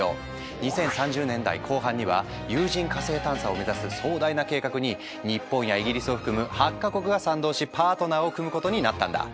２０３０年代後半には有人火星探査を目指す壮大な計画に日本やイギリスを含む８か国が賛同しパートナーを組むことになったんだ。